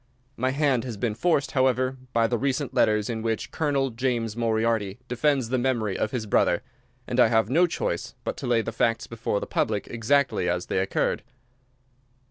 My hand has been forced, however, by the recent letters in which Colonel James Moriarty defends the memory of his brother, and I have no choice but to lay the facts before the public exactly as they occurred.